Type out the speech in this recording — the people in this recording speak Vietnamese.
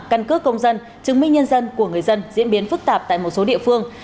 căn cước công dân chứng minh nhân dân của người dân diễn biến phức tạp tại một số địa phương